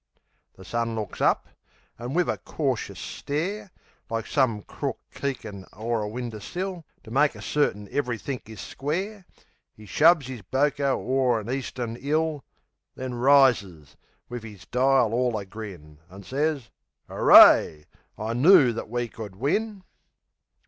The sun looks up, an' wiv a cautious stare, Like some crook keekin' o'er a winder sill To make dead cert'in everythink is square, 'E shoves 'is boko o'er an Eastern 'ill, Then rises, wiv 'is dial all a grin, An' sez, "'Ooray! I knoo that we could win!"